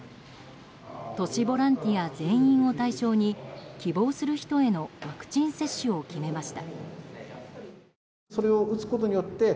都市ボランティア全員を対象に希望する人へのワクチン接種を決めました。